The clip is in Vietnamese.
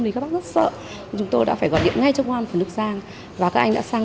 thì các bác rất sợ chúng tôi đã phải gọi điện ngay trong công an phường đức giang và các anh đã sang